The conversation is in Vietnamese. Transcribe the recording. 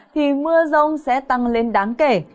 thì mưa rông sẽ tăng lên đáng kể